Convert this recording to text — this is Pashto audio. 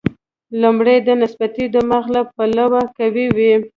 لومړی د نسبتي دماغ له پلوه قوي وي.